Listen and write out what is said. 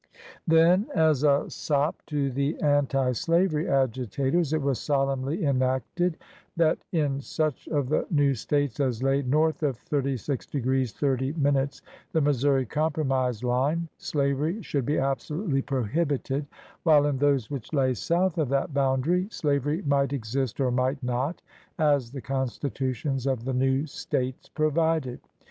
Then, as a sop to 149 LINCOLN THE LAWYER the anti slavery agitators, it was solemnly enacted that in such of the new States as lay north of 36° 30' (the Missouri Compromise line) slavery should be absolutely prohibited, while in those which lay south of that boundary slavery might exist or might not, as the constitutions of the new States provided.